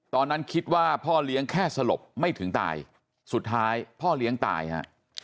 ตอนนั้นคิดว่าพ่อเลี้ยงแค่สลบไม่ถึงตายสุดท้ายพ่อเลี้ยงตายฮะ